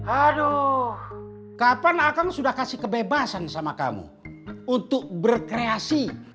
aduh kapan akang sudah kasih kebebasan sama kamu untuk berkreasi